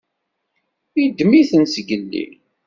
Yeddem-iten zgelli.